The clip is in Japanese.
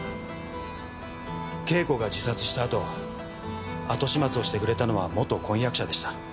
慶子が自殺したあと後始末をしてくれたのは元婚約者でした。